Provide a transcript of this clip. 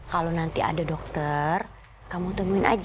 kalau nanti ada dokter kamu temuin aja